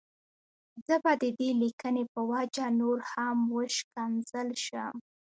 زه به د دې ليکنې په وجه نور هم وشکنځل شم.